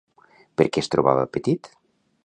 Per què es trobava petit?